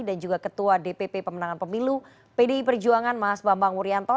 dan juga ketua dpp pemenangan pemilu pdi perjuangan mas bambang wuryanto